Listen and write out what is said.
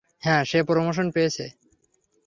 হ্যাঁ, সে প্রমোশন পেয়েছে।